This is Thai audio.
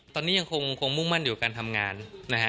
ตอนนี้ยังคงมุ่งมั่นอยู่กับการทำงานนะฮะ